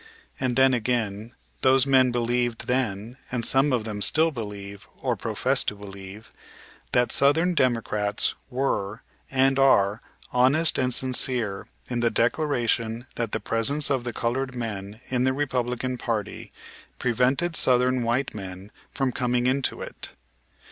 And then again those men believed then, and some of them still believe or profess to believe, that southern Democrats were and are honest and sincere in the declaration that the presence of the colored men in the Republican party prevented southern white men from coming into it.